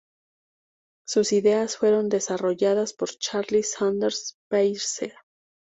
Sus ideas fueron desarrolladas por Charles Sanders Peirce.